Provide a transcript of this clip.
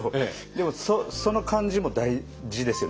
でもその感じも大事ですよね多分ね。